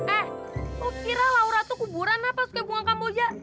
eh kok kira laura tuh kuburan apa suka bunga kamboja